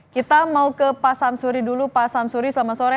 kita mau ke pak samsuri dulu pak samsuri selamat sore